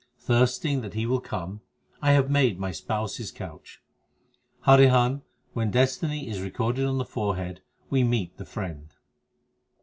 Thirsting that He will come, I have made my Spouse s couch. Harihan, when destiny is recorded on the forehead, we meet the Friend.